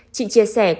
chị chia sẻ con khóc